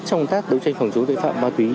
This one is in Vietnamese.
trong tác đấu tranh phòng chống tội phạm ma túy